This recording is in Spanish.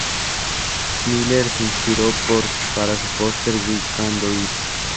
Miller se inspiró para su póster "We Can Do It!